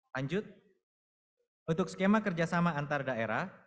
lanjut untuk skema kerjasama antar daerah